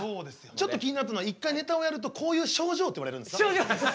ちょっと気になったのは一回ネタをやるとこういう症状っていわれるんですね。